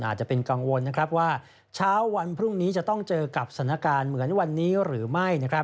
อาจจะเป็นกังวลว่าเช้าวันพรุ่งนี้จะต้องเจอกับสถานการณ์เหมือนวันนี้หรือไม่